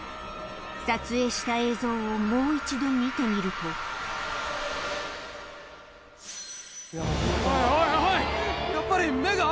・撮影した映像をもう一度見てみると・おいおいおい！